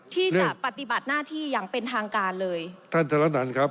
ที่จะปฏิบัติหน้าที่อย่างเป็นทางการเลยท่านธนันครับ